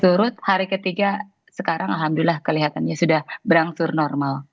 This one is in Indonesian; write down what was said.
turut hari ketiga sekarang alhamdulillah kelihatannya sudah berangsur normal